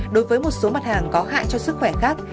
đối với một số mặt hàng có hại cho sức khỏe khác